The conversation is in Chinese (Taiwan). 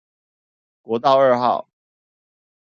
國道二號